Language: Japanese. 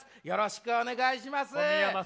よろしくお願いします。